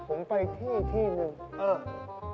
ผมไปที่ที่หนึ่งเออ